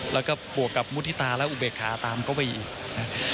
แล้วก็บวกกับมุฒิตาและอุเบกขาตามเข้าไปอีกนะ